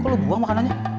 kok lu buang makanannya